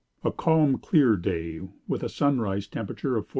A calm, clear day, with a sunrise temperature of 41°.